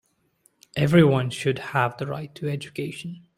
Everyone should have the right to education.